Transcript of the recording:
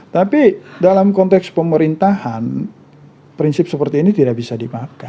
tapi dalam konteks pemerintahan prinsip seperti ini tidak bisa dipakai